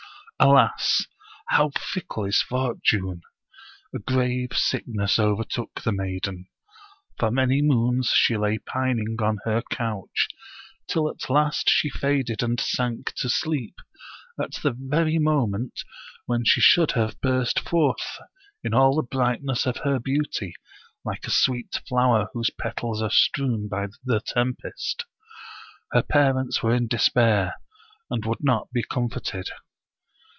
Alas! how fickle is fortune! A grave sickness overtook the maiden ; for many moons she lay pining on her couch, till at last she faded and sank to sleep, at the very mo ment when she should have burst forth in all the bright ness of her beauty, like a sweet flower whose petals are strewn by the tempest. Her parents were in despair, and would not be comforted.